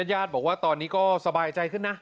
ญาติบอกว่าตอนนี้ก็สบายใจขึ้นนะ